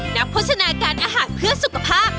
โฆษณาการอาหารเพื่อสุขภาพ